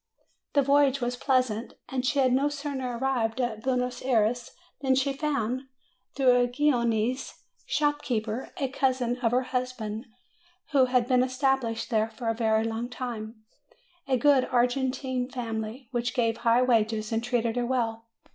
The voyage was pleasant: and she had no sooner arrived at Buenos Ayres than she found, through a Genoese shopkeeper, a cousin of her husband, who had FROM APENNINES TO THE ANDES 255 been established there for a very long time, a good Argentine family, which gave high wages and treated her well.